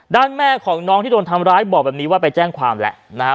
แม่ของน้องที่โดนทำร้ายบอกแบบนี้ว่าไปแจ้งความแล้วนะฮะ